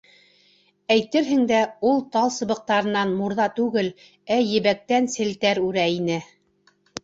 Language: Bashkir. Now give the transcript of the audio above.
Әйтерһең дә, ул тал сыбыҡтарынан мурҙа түгел, ә ебәктән селтәр үрә ине.